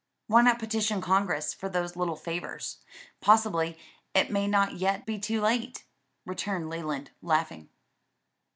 "Why not petition Congress for those little favors? Possibly it may not yet be too late;" returned Leland, laughing.